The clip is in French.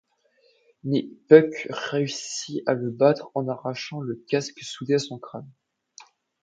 Mais Puck réussit à le battre en arrachant le casque soudé à son crâne.